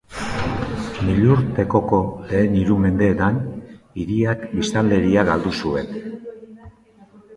Milurtekoko lehen hiru mendeetan, hiriak biztanleria galdu zuen.